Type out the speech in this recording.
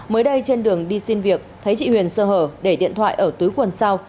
mới đây trên đường đi xin việc thấy chị huyền sơ hở để điện thoại ở tứ quần sau